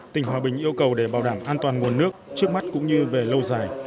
tỉnh hòa bình yêu cầu để bảo đảm an toàn nguồn nước trước mắt cũng như về lâu dài